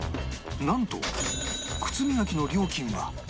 なんと靴磨きの料金は無料